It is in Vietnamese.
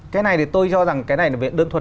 cái này thì tôi cho rằng cái này là đơn thuần